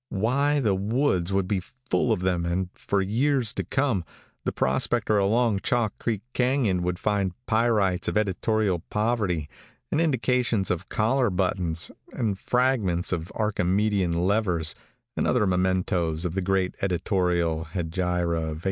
Why, the woods would be full of them, and for years to come, the prospector along Chalk Creek Canon would find pyrites of editorial poverty, and indications of collar buttons, and fragments of Archimedean levers, and other mementoes of the great editorial hegira of 1882.